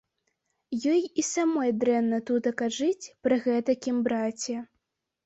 Ёй і самой дрэнна тутака жыць пры гэтакім браце.